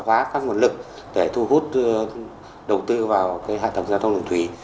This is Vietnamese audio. hóa các nguồn lực để thu hút đầu tư vào hạ tầng giao thông đường thủy